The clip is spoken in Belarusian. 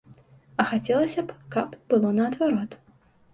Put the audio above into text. А хацелася б, каб было наадварот.